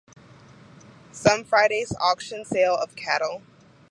Some Fridays - auction sale of cattle.